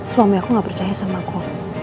suami aku gak percaya sama aku